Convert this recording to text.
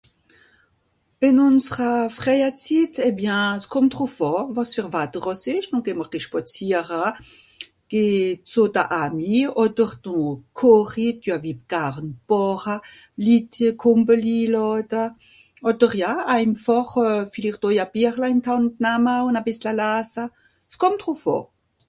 ìn ùnsra frèia Zitt et bien, skùmmt drùff àà, wàs fer Watter, àss ìsch noh geh mr ge spàziara, geh zù da Amis, odder do koch i, düa-w-i garn bàcha, Litt... Kùmpel iilàda, odder ja einfàch euh... villicht àui a Bierla ìm (...) namma ùn a bìssla lasa. Skùmmt drùf àà.